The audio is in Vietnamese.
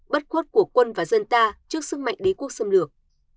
bất khuất của quân và dân ta trước sức mạnh đế quốc xâm lược